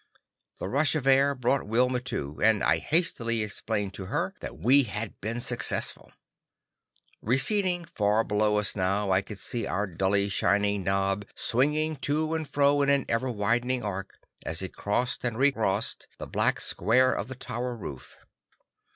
The rush of air brought Wilma to, and I hastily explained to her that we had been successful. Receding far below us now, I could see our dully shining knob swinging to and fro in an ever widening arc, as it crossed and recrossed the black square of the tower roof.